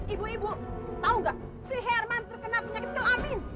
ibu ibu tau gak si herman terkena penyakit kelamin